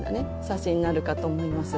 写真になるかと思います。